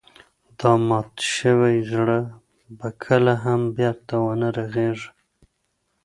دا مات شوی زړه به کله هم بېرته ونه رغيږي.